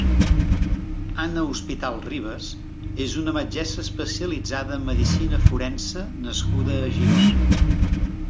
Anna Hospital Ribas és una metgessa especialitzada en medicina forense nascuda a Girona.